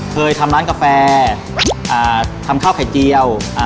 เคยทำร้านกาแฟทำข้าวไข่เจียว